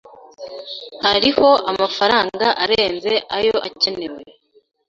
Hariho amafaranga arenze ayo akenewe.